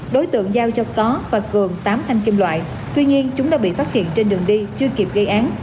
đối tượng giao cho có và cường tám thanh kim loại tuy nhiên chúng đã bị phát hiện trên đường đi chưa kịp gây án